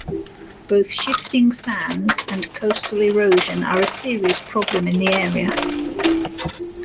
Both shifting sands and coastal erosion are a serious problem in the area.